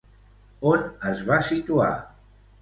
On es va situar?